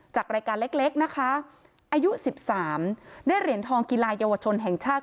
จากรายการเล็กนะคะอายุ๑๓ได้เหรียญทองกีฬาเยาวชนแห่งชาติ